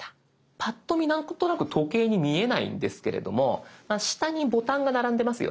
パッと見なんとなく時計に見えないんですけれども下にボタンが並んでますよね。